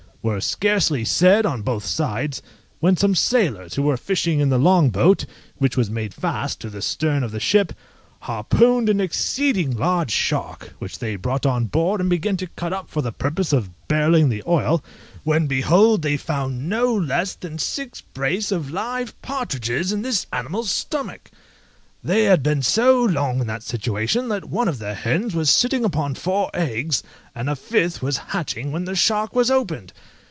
were scarcely said on both sides, when some sailors who were fishing in the long boat, which was made fast to the stern of the ship, harpooned an exceeding large shark, which they brought on board and began to cut up for the purpose of barrelling the oil, when, behold, they found no less than six brace of live partridges in this animal's stomach! They had been so long in that situation, that one of the hens was sitting upon four eggs, and a fifth was hatching when the shark was opened!!!